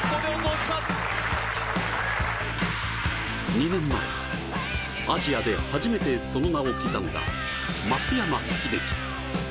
２年前、アジアで初めてその名を刻んだ松山英樹。